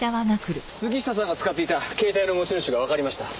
杉下さんが使っていた携帯の持ち主がわかりました。